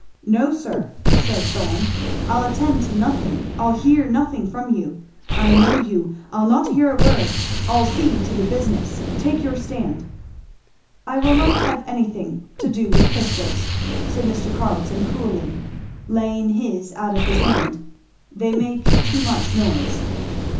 "No, sir," said Thorn, "I'll attend to nothing I'll hear nothing from you. I know you! I'll not hear a word. I'll see to the business! Take your stand." "I will not have anything to do with pistols," said Mr. Carleton coolly, laying his out of his hand; "they make too much noise."